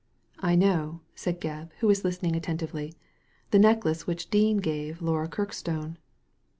''I know," said Gebb, who was listening attentively, ^ the necklace which Dean gave Laura Kirkstone."